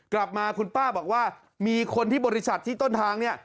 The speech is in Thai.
กลับมาคุณป้าบอกว่ามีคนที่บริษัทที่ต้นทางเนี่ย